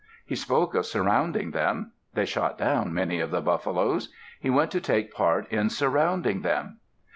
He spoke of surrounding them. They shot down many of the buffaloes. He went to take part in surrounding them.